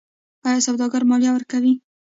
آیا سوداګر مالیه ورکوي؟